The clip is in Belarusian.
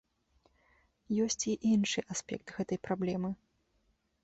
Есць і іншы аспект гэтай праблемы.